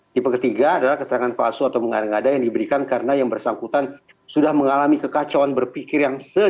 tipe ketiga adalah keterangan palsu atau mengada ngada yang diberikan karena yang bersangkutan sudah mengalami kekacauan berpikir yang sederhana